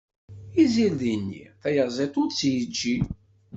Izirdi-nni tayaziḍt ur tt-yeǧǧi.